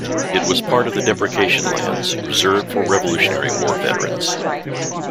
It was part of the Depreciation Lands reserved for Revolutionary War veterans.